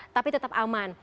tapi tetap aman